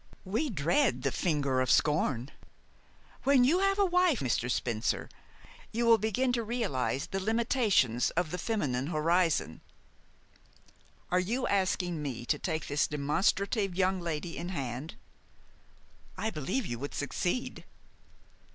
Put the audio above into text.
We dread the finger of scorn. When you have a wife, Mr. Spencer, you will begin to realize the limitations of the feminine horizon." "Are you asking me to take this demonstrative young lady in hand?" "I believe you would succeed."